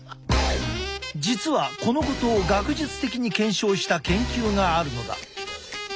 実はこのことを学術的に検証した研究があるのだ。